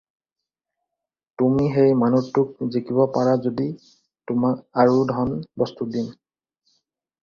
“তুমি সেই মানুহটোক জিকিব পাৰা যদি তোমাক আৰু ধন-বস্তু দিম।”